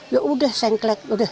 ya udah sengklat